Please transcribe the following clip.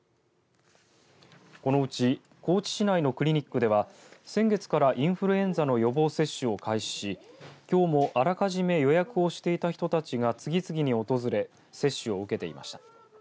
このうち高知市内のクリニックでは、先月からインフルエンザの予防接種を開始しきょうも、あらかじめ予約をしていた人たちが次々に訪れ接種を受けていました。